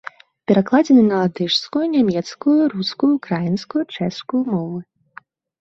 Перакладзены на латышскую, нямецкую, рускую, украінскую, чэшскую мовы.